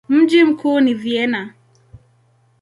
Mji mkuu ni Vienna.